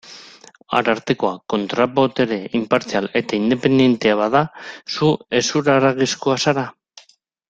Arartekoa kontra-botere inpartzial eta independentea bada, zu hezur-haragizkoa zara?